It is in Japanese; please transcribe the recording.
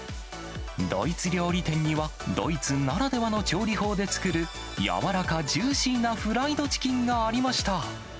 ドイツ料理店には、ドイツならではの調理法で作る、柔らかジューシーなフライドチキンがありました。